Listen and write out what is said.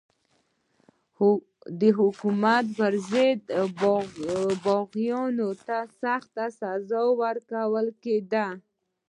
د حکومت پر ضد باغیانو ته سخته سزا ورکول کېده.